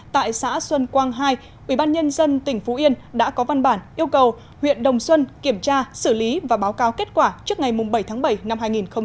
tại xã xuân quang hai ubnd tỉnh phú yên đã có văn bản yêu cầu huyện đồng xuân kiểm tra xử lý và báo cáo kết quả trước ngày bảy tháng bảy năm hai nghìn hai mươi